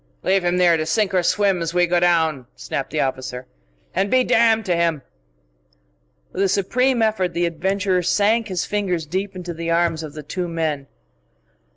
"Leave him here to sink or swim as we go down," snapped the officer "and be damned to him!" With a supreme effort the adventurer sank his fingers deep into the arms of the two men.